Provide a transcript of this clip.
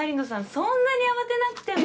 そんなに慌てなくても。